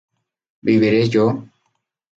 ¿viviré yo?